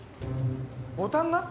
ボタンが！？